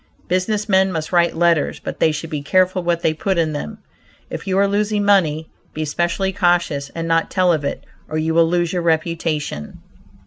Business men must write letters, but they should be careful what they put in them. If you are losing money, be specially cautious and not tell of it, or you will lose your reputation.